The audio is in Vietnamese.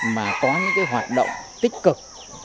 mà có những hoạt động tích cực